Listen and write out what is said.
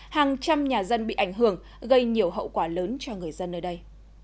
hàng trăm nhà dân bị ảnh hưởng gây nhiều hậu quả lớn cho người dân nơi đây